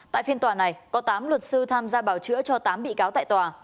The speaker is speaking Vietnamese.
tại phiên tòa này có tám luật sư tham gia bảo chữa cho tám bị cáo tại tòa